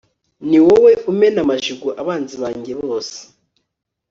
ni wowe umena amajigo abanzi banjye bose